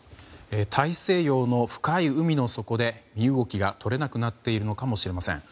大西洋の深い海の底で身動きが取れなくなっているのかもしれません。